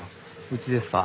うちですか？